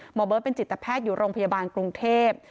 เบิร์ตเป็นจิตแพทย์อยู่โรงพยาบาลกรุงเทพ